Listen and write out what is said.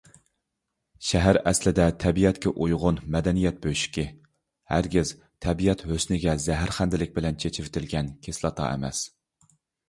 شەھەر ئەسلىدە تەبىئەتكە ئۇيغۇن مەدەنىيەت بۆشۈكى، ھەرگىز تەبىئەت ھۆسنىگە زەھەرخەندىلىك بىلەن چېچىۋېتىلگەن كىسلاتا ئەمەس.